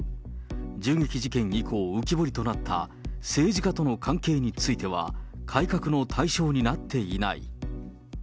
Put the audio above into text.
銃撃事件以降浮き彫りとなった、政治家との関係については、改革の対象になっていない。